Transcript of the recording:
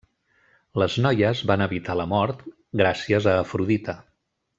Les noies van evitar la mort gràcies a Afrodita.